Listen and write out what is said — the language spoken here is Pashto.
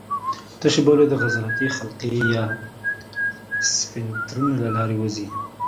تشې بولې د عضلاتي حلقې یا سفینکترونو له لارې ووځي.